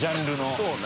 そうね。